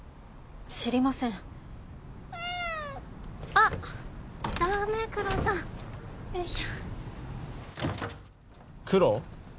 知りませんダメクロさんよいしょクロ？